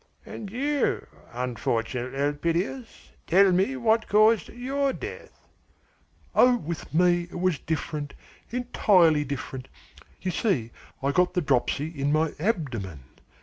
And you, unfortunate Elpidias, tell me what caused your death?" "Oh, with me, it was different, entirely different! You see I got the dropsy in my abdomen.